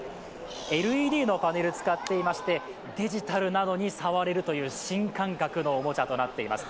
ＬＥＤのパネルを使っていましてデジタルなのに触れるという新感覚のおもちゃとなっています。